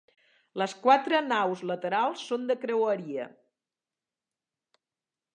Les quatre naus laterals són de creueria.